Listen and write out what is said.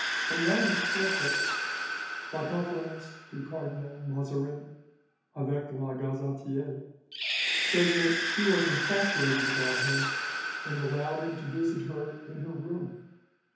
An anonymous pamphlet, 'La Conference du Cardinal Mazarin avec le Gazetier' (Brussels, 1649), says that she was infatuated about him, and allowed him to visit her in her room.